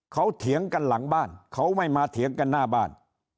เขาเถียงกันหลังบ้านเขาไม่มาเถียงกันหน้าบ้าน